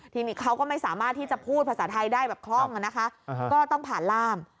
ทีนี้เขาก็ไม่สามารถที่จะพูดภาษาไทยได้แบบคล่องนะคะก็ต้องผ่านล่าม